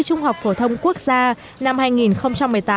trung học phổ thông quốc gia năm hai nghìn một mươi tám